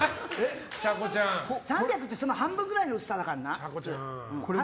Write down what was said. ３００ってその半分ぐらいの薄さだからな。